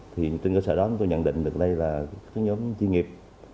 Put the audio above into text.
thì tên cơ sở đó tôi nhận định được đây là cái nhóm chuyên nghiệp